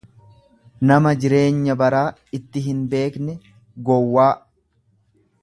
nama jireenya baraa itti hinbeekne, gowwaa.